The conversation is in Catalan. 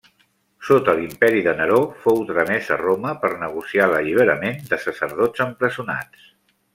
Sota l'imperi de Neró fou tramès a Roma per negociar l'alliberament de sacerdots empresonats.